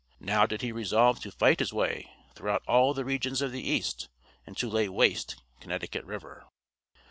Now did he resolve to fight his way throughout all the regions of the east, and to lay waste Connecticut river.